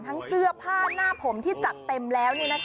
เสื้อผ้าหน้าผมที่จัดเต็มแล้ว